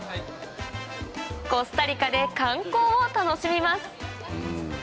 コスタリカで観光を楽しみます